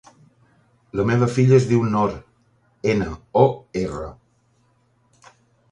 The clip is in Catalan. La meva filla es diu Nor: ena, o, erra.